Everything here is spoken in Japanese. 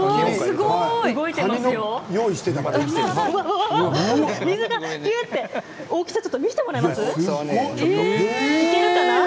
すごい！大きさを見せてもらえますか。